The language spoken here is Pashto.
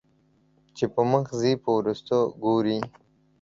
چې پۀ مخ ځې په وروستو ګورې